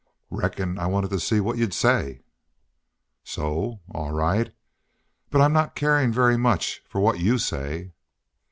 "Reckon I wanted to see what you'd say." "So? All right. But I'm not carin' very much for what YOU say."